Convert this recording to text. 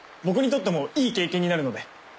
僕にとってもいい経験になるので。